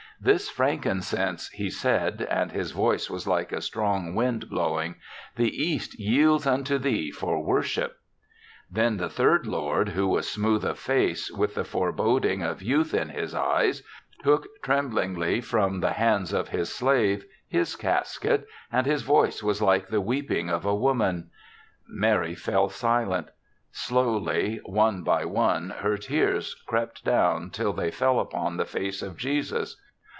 VThis frankincense,' he said, and his voice was like a strong wind blow ing, 'the East yields unto thee for worship/ "Then the third lord, who was smooth of face, with the foreboding of youth in his eyes, took tremblingly from the hands of his slave hi3 cas ket, and his voice was like the weep ing of a woman/' Mary fell silent. Slowly, one by THE SEVENTH CHRISTMAS 41 one, her tears crept down till they fell upon the face of Jesus.